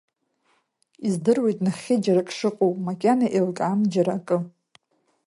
Издыруеит нахьхьи џьара ак шыҟоу, макьана еилкаам, џьара акы.